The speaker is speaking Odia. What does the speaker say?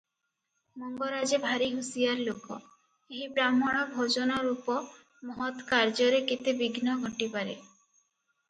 ମଙ୍ଗରାଜେ ଭାରିହୁସିଆର ଲୋକ ଏହି ବାହ୍ମଣ ଭୋଜନ ରୂପ ମହତ୍ କାର୍ଯ୍ୟରେ କେତେ ବିଘ୍ନ ଘଟିପାରେ ।